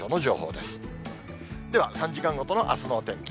では、３時間ごとのあすのお天気。